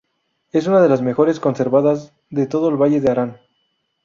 Es una de las mejor conservadas de todo el Valle de Arán.